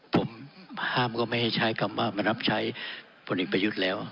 ผมห้ามก็ไม่ให้ใช้คำว่ามารับใช้พลเอกประยุทธ์แล้ว